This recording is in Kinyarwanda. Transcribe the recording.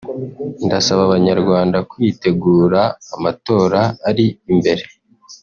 Ndasaba abanyarwanda kwitegura amatora ari imbere